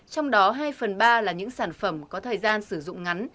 trong đó hai phần ba là những sản phẩm có thời gian sử dụng ngắn